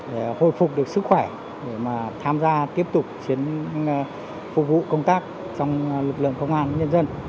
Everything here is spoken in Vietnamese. để hồi phục được sức khỏe để mà tham gia tiếp tục phục vụ công tác trong lực lượng công an nhân dân